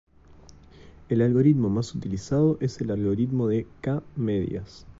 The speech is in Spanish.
El algoritmo más utilizado es el algoritmo de K-medias.